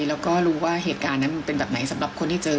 แล้วก็รู้ว่าเหตุการณ์นั้นมันเป็นแบบไหนสำหรับคนที่เจอ